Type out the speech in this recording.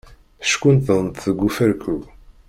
Ckunṭḍent deg ufarku.